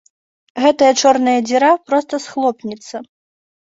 Гэтая чорная дзіра проста схлопнецца.